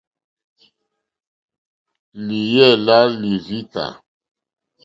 Lìyɛ́ lá līrzīkà.